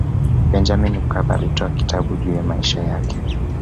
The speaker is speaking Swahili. Benjamin Mkapa alitoa kitabu juu ya maisha yake